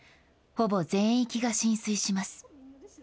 ほぼ全域が浸水します。